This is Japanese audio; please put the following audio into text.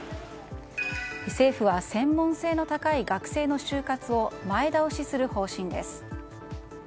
政府は専門性の高い学生の就活を前倒しする方針です。